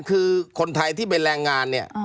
คือคนไทยที่ไปแรงงาน